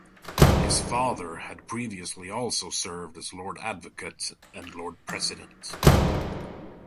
His father had previously also served as Lord Advocate and Lord President.